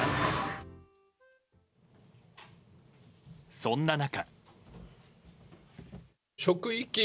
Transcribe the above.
そんな中。